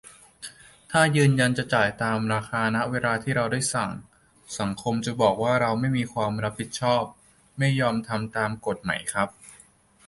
ถ้ายืนยันจะจ่ายตามราคา ณ เวลาที่เราได้สั่ง สังคมจะบอกว่าเราไม่มีความรับผิดชอบ ไม่ยอมทำตามกฎไหมครับ